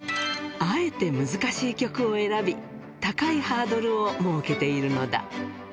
あえて難しい曲を選び、高いハードルを設けているのだ。